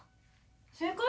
正解？